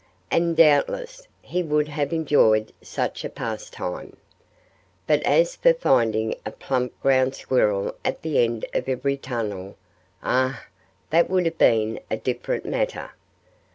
And doubtless he would have enjoyed such a pastime. But as for finding a plump ground squirrel at the end of every tunnel ah! that would have been a different matter.